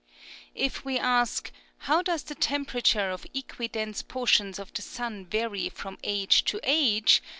If we ask, How does the temperature of equi dense portions of the sun vary from age to age